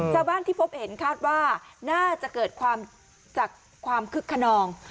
เจ้าบ้านที่พบเห็นคาดว่าน่าจะเกิดความคึกคนนอง